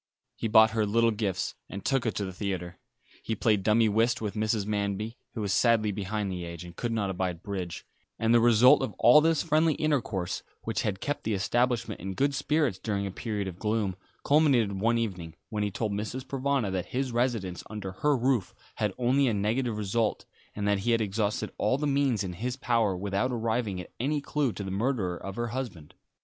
He bought her little gifts, and took her to the theatre. He played dummy whist with Mrs. Manby, who was sadly behind the age, and could not abide bridge; and the result of all this friendly intercourse, which had kept the establishment in good spirits during a period of gloom, culminated one evening, when he told Mrs. Provana that his residence under her roof had only a negative result, and that he had exhausted all the means in his power without arriving at any clue to the murderer of her husband.